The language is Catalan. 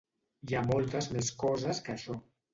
Hi ha moltes més coses que això.